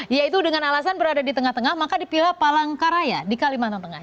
yaitu dengan alasan berada di tengah tengah maka dipilih palangkaraya di kalimantan tengah